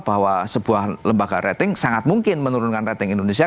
bahwa sebuah lembaga rating sangat mungkin menurunkan rating indonesia